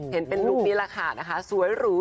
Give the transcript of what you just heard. เห็นเป็นลุคนี้แหละค่ะนะคะสวยหรู